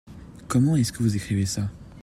Comment est-ce que vous écrivez ça ?